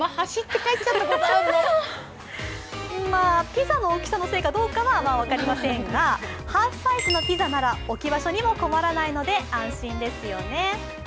ピザの大きさのせいかどうかは分かりませんが、ハーフサイズのピザなら置き場所にも困らないので安心ですよね。